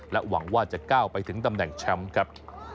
หวังว่าจะก้าวไปถึงตำแหน่งแชมป์ครับ